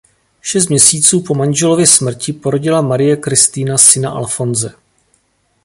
Šest měsíců po manželově smrti porodila Marie Kristina syna Alfonse.